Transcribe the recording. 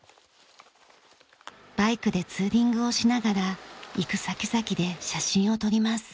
バイクでツーリングをしながら行く先々で写真を撮ります。